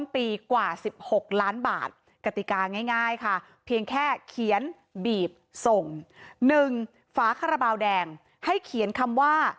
๑ฝาคาราบาลแดงให้เขียนคำว่า